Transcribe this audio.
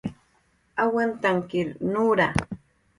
awantankir nura